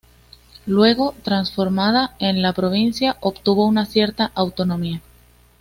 Luego, transformada en la provincia, obtuvo una cierta autonomía.